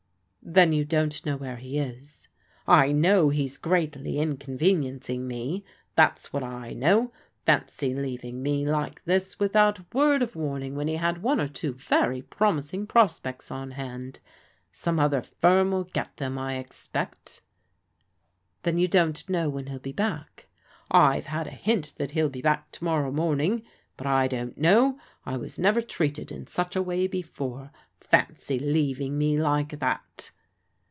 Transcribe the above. " Then you don't know where he is ?"" I know he's greatly inconveniencing me. That's what I know. Fancy leaving me like this without a word of warning when he had one or two very promising pros pects on hand. Some other firm will get them, I expect." "Then you don't know when he'll be back?" " I've had a hint that he'll be back to morrow morn ing. But I don't know. I was never treated in such a way before. Fancy leaving me like that."